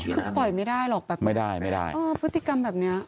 คือปล่อยไม่ได้หรอกแบบไม่ได้ไม่ได้อ๋อพฤติกรรมแบบเนี้ย